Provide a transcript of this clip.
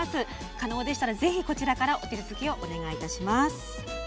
可能でしたら、ぜひこちらからお手続きをお願いします。